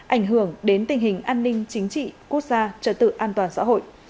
ảnh hưởng đến tình hình an ninh chính trị quốc gia trật tự an toàn xã hội